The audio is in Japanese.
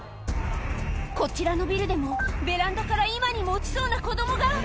こちらのビルでも、ベランダから今にも落ちそうな子どもが。